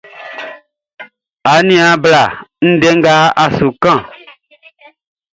Aniaan bla, n wun ndɛ nga a su kanʼn.